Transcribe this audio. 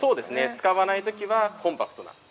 使わないときはコンパクトな◆